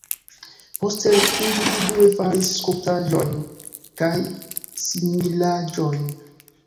Poste li individue faris skulptaĵojn kaj similaĵojn.